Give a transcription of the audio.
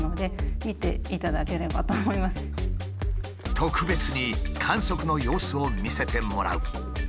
特別に観測の様子を見せてもらう。